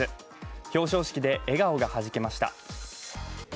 表彰式で笑顔がはじけました。